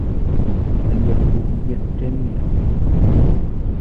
اليهودية جميلة.